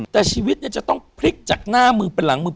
แต่ชีวิตจะต้องพลิกจากหน้ามือเป็นหลังมือ